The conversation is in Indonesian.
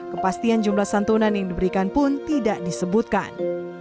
kepastian jumlah santunan yang diberikan pun tidak disebutkan